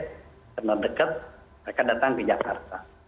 benar benar dekat mereka datang ke jakarta